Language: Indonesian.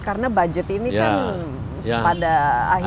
karena budget ini kan pada akhirnya